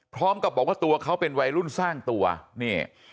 พร้อมกับบอกว่าตัวเขาเป็นวัยรุ่นสร้างตัวนี่